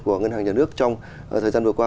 của ngân hàng nhà nước trong thời gian vừa qua